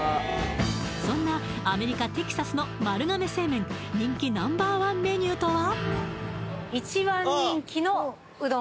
そんなアメリカテキサスの丸亀製麺人気Ｎｏ．１メニューとは？